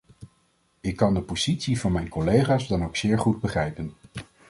Ik kan de positie van mijn collega's dan ook zeer goed begrijpen.